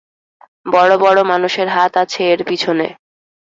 বড় বড় মানুষের হাত আছে এর পিছনে।